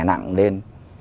và đè nặng lên